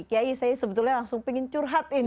k i saya sebetulnya langsung ingin curhat ini